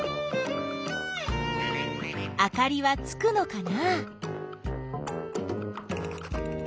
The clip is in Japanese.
あかりはつくのかな？